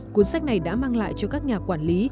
cuốn sách này đã mang lại cho các nhà quản lý